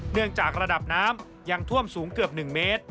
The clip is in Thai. เนื่องจากระดับน้ำยังท่วมสูงเกือบ๑เมตร